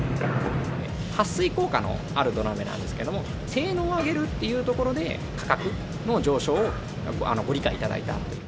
はっ水効果のある土鍋なんですけれども、性能を上げるっていうところで、価格の上昇をご理解いただいた。